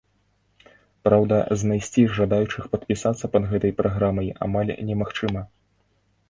Праўда, знайсці жадаючых падпісацца пад гэтай праграмай амаль немагчыма.